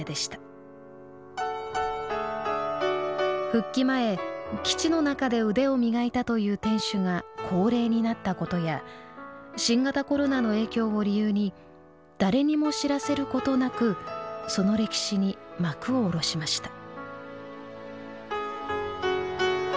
復帰前基地の中で腕を磨いたという店主が高齢になったことや新型コロナの影響を理由に誰にも知らせることなくその歴史に幕を下ろしました。